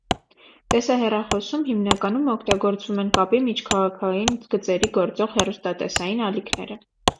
Տեսահեռախոսում հիմնականում օգտագործվում են կապի միջքաղաքային գծերի գործող հեռուստատեսային ալիքները։